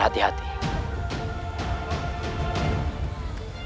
kita harus berhati hati